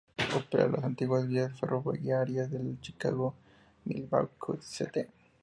Opera las antiguas vías ferroviarias de la Chicago, Milwaukee, St.